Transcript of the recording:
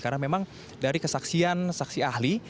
karena memang dari kesaksian saksi ahli